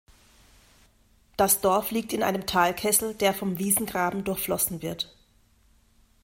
Das Dorf liegt in einem Talkessel, der vom "Wiesengraben" durchflossen wird.